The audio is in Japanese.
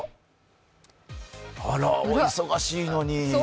あら、お忙しいのに。